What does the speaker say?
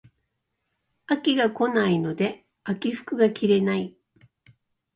秋が来ないので秋服が着れない